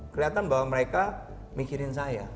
kelihatan bahwa mereka mikirin saya